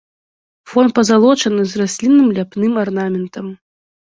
Фон пазалочаны з раслінным ляпным арнаментам.